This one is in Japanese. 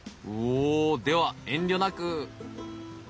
おおでは遠慮なく。